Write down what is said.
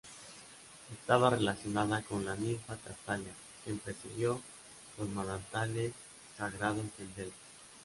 Estaba relacionada con la ninfa Castalia, quien presidió los manantiales sagrados en Delfos.